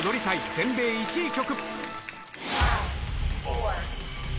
全米１位曲。